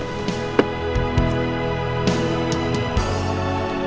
aku akan mencintai kamu